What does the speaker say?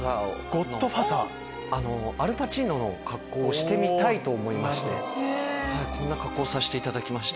アル・パチーノの格好をしてみたいと思いましてこんな格好させていただきまして。